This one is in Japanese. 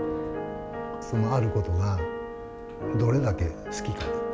そのあることが、どれだけ好きか。